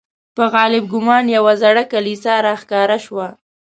په غالب ګومان یوه زړه کلیسا را ښکاره شوه.